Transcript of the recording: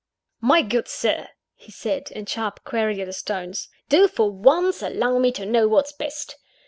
"My good Sir!" he said, in sharp, querulous tones, "do, for once, allow me to know what's best.